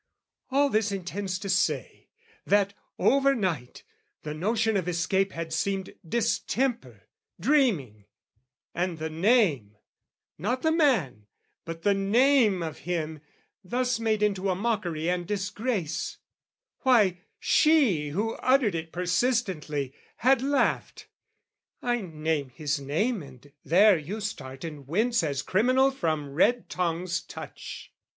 All this intends to say, That, over night, the notion of escape Had seemed distemper, dreaming; and the name, Not the man, but the name of him, thus made Into a mockery and disgrace, why, she Who uttered it persistently, had laughed, "I name his name, and there you start and wince "As criminal from the red tongs' touch!"